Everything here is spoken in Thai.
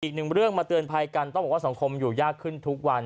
อีกหนึ่งเรื่องมาเตือนภัยกันต้องบอกว่าสังคมอยู่ยากขึ้นทุกวัน